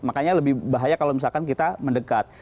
makanya lebih bahaya kalau misalkan kita mendekat